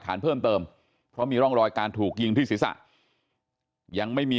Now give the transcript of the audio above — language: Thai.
ฐานเพิ่มเติมเพราะมีร่องรอยการถูกยิงที่ศีรษะยังไม่มี